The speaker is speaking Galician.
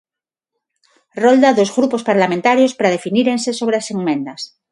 Rolda dos grupos parlamentarios para definírense sobre as emendas.